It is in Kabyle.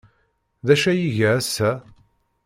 D acu ay iga ass-a?